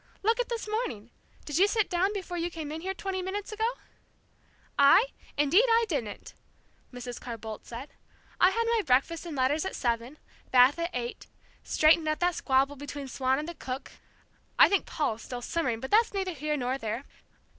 "Look at this morning did you sit down before you came in here twenty minutes ago?" "I? Indeed I didn't!" Mrs. Carr Boldt said. "I had my breakfast and letters at seven, bath at eight, straightened out that squabble between Swann and the cook, I think Paul is still simmering, but that's neither here nor there!